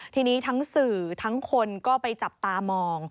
ทีนี้ทั้งสื่อทั้งคนก็ไปจับตามอง